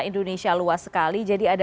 indonesia luas sekali jadi ada